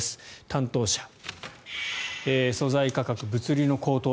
担当者素材価格、物流の高騰